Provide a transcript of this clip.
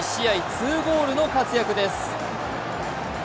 ２ゴールの活躍です。